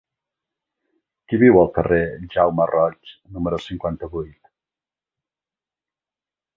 Qui viu al carrer de Jaume Roig número cinquanta-vuit?